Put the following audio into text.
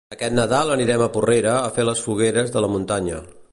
Aquest Nadal anirem a Porrera a fer les fogueres de la muntanya.